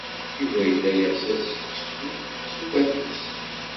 Yuba yella yeɣs assegzu s ufatus.